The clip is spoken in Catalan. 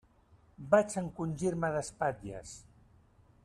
Vaig encongir-me d'espatlles.